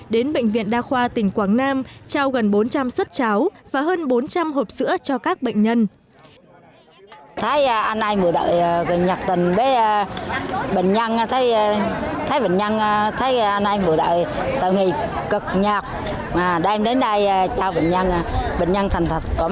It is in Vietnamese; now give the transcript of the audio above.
đến bệnh viện đa khoa tỉnh quảng nam trao gần bốn trăm linh suất cháo và hơn bốn trăm linh hộp sữa cho các bệnh nhân